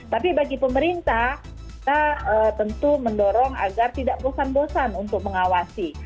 tapi bagi pemerintah kita tentu mendorong agar tidak bosan bosan untuk mengawasi